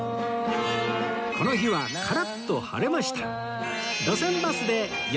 この日はカラッと晴れました